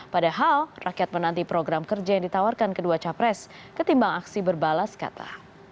padahal rakyat menanti program kerja yang ditawarkan kedua capres ketimbang aksi berbalas kata